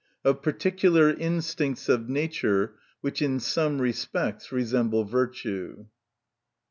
Of particular Instincts of Nature, which in some respects resemble Virtue.